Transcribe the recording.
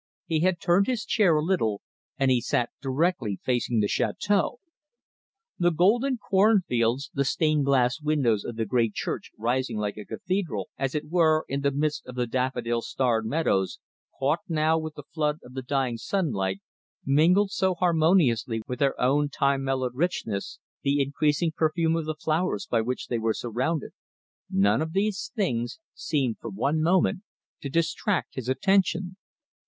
He had turned his chair a little, and he sat directly facing the chateâu. The golden cornfields, the stained glass windows of the grey church rising like a cathedral, as it were, in the midst of the daffodil starred meadows, caught now with the flood of the dying sunlight mingled so harmoniously with their own time mellowed richness, the increasing perfume of the flowers by which they were surrounded, none of these things seemed for one moment to distract his attention.